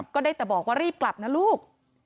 ก็ได้แต่บอกว่ารีบกลับนะลูก